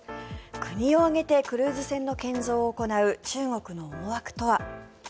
国を挙げてクルーズ船の建造を行う中国の思惑とは。